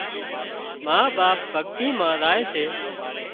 ما ٻاپ ڀڳتي مان زائي سي